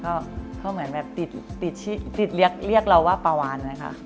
เขาเหมือนแบบติดเรียกเราว่าปาวานเลยค่ะ